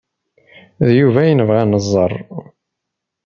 D Yuba ay nebɣa ad nẓer.